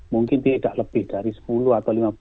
mungkin tidak lebih dari sepuluh atau lima belas